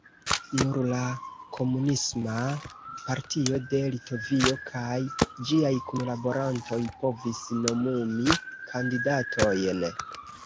Nur la Komunisma partio de Litovio kaj ĝiaj kunlaborantoj povis nomumi kandidatojn.